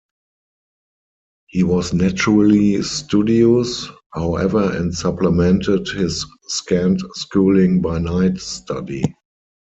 He was naturally studious, however, and supplemented his scant schooling by night study.